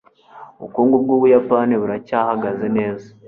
ubukungu bwubuyapani buracyahagaze neza